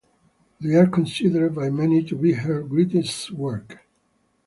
They are considered by many to be her greatest work.